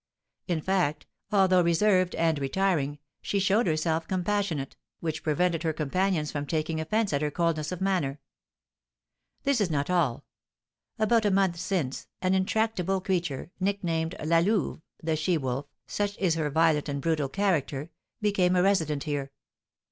In fact, although reserved and retiring, she showed herself compassionate, which prevented her companions from taking offence at her coldness of manner. This is not all: about a month since, an intractable creature, nicknamed La Louve (the she wolf), such is her violent and brutal character, became a resident here.